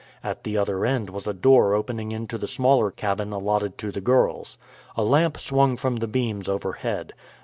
At the other end was a door opening into the smaller cabin allotted to the girls. A lamp swung from the beams overhead.